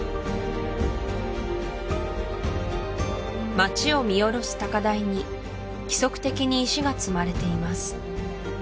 町を見下ろす高台に規則的に石が積まれています